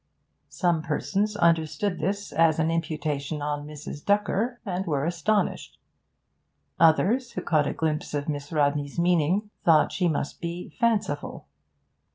Some persons understood this as an imputation on Mrs. Ducker, and were astonished; others, who caught a glimpse of Miss Rodney's meaning, thought she must be 'fanciful.'